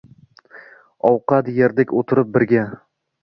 Ovqat erdik utirib birga